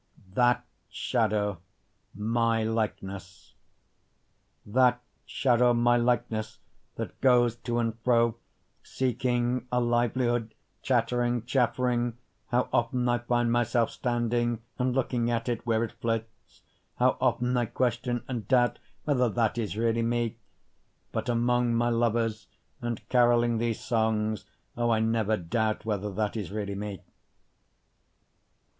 That Shadow My Likeness That shadow my likeness that goes to and fro seeking a livelihood, chattering, chaffering, How often I find myself standing and looking at it where it flits, How often I question and doubt whether that is really me; But among my lovers and caroling these songs, O I never doubt whether that is really me.